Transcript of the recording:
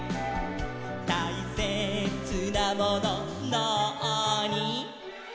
「たいせつなものなあに？」